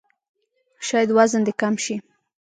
شاید وزن دې کم شي!